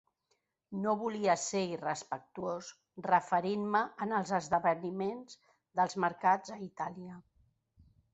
No volia ser irrespectuós referint-me en els esdeveniments dels mercats a Itàlia.